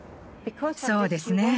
そうですね。